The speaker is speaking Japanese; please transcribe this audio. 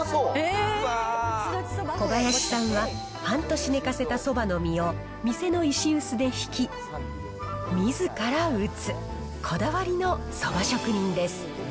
小林さんは、半年寝かせたそばの実を店の石臼でひき、みずから打つ、こだわりのそば職人です。